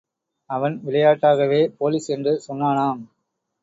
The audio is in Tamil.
அவன் விளையாட்டாகவே போலிஸ் என்று சொன்னானாம்!